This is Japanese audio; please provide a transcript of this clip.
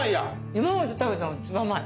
今まで食べたので一番甘い。